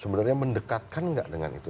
sebenarnya mendekatkan nggak dengan itu